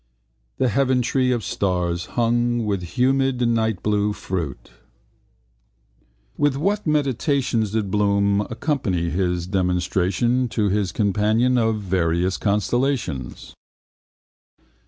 The heaventree of stars hung with humid nightblue fruit. With what meditations did Bloom accompany his demonstration to his companion of various constellations?